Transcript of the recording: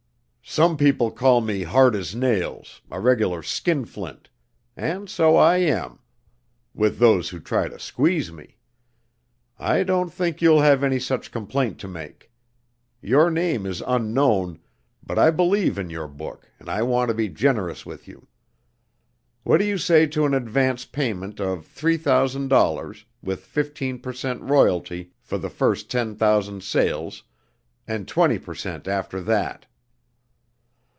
"Some people call me hard as nails, a regular skinflint. And so I am, with those who try to squeeze me. I don't think you'll have any such complaint to make. Your name is unknown, but I believe in your book and I want to be generous with you. What do you say to an advance payment of three thousand dollars, with fifteen per cent. royalty for the first ten thousand sales, and twenty per cent. after that?"